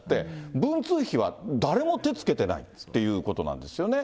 文通費は誰も手付けてないということなんですね。